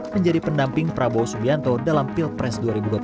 menjadi pendamping prabowo subianto dalam pilpres dua ribu dua puluh empat